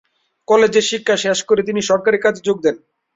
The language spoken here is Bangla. কলেজের শিক্ষা শেষ করে তিনি সরকারি কাজে যোগ দেন।